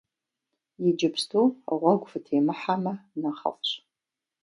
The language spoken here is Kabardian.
Иджыпсту гъуэгу фытемыхьэмэ нэхъыфӀщ!